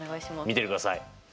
見ててください。